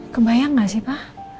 kebayang nggak sih pa